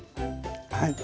はい。